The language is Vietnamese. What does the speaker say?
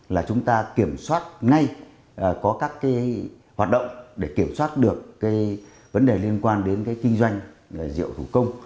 là chúng ta kiểm soát ngay có các hoạt động để kiểm soát được cái vấn đề liên quan đến cái kinh doanh rượu thủ công